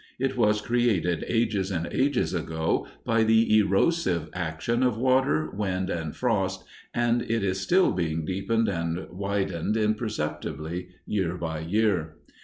It was created ages and ages ago by the erosive action of water, wind, and frost, and it is still being deepened and widened imperceptibly year by year.